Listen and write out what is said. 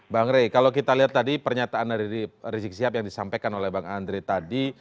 bang rey kalau kita lihat tadi pernyataan dari rizik sihab yang disampaikan oleh bang andre tadi